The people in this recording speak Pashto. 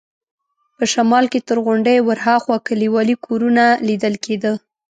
په شمال کې تر غونډیو ورهاخوا کلیوالي کورونه لیدل کېده.